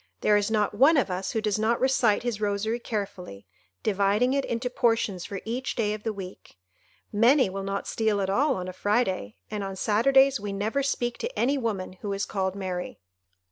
There is not one of us who does not recite his rosary carefully, dividing it into portions for each day of the week. Many will not steal at all on a Friday, and on Saturdays we never speak to any woman who is called Mary."